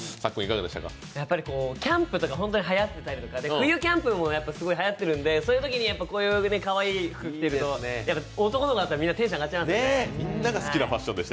キャンプとか、本当にはやってたりとか冬キャンプもすごいはやってるので、こういうふうにかわいい服着てるとやっぱり男の子だったらテンション上がっちゃいますよね。